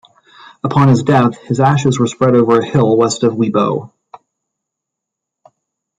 Upon his death, his ashes were spread over a hill west of Wibaux.